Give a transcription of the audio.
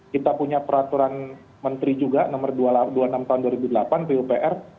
kita punya peraturan menteri juga nomor dua puluh enam tahun dua ribu delapan pupr